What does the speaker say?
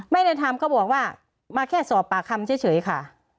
ไม่ได้ทำก็บอกว่ามาแค่สอบปากคำเฉยค่ะ